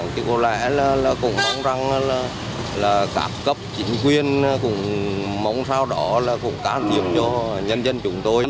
thì có lẽ là cũng mong rằng là các cấp chính quyền cũng mong sao đó là cũng cán nhiệm cho nhân dân chúng tôi